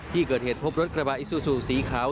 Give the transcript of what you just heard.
ที่เกิดเหตุพบรถกระบะอิซูซูสีขาว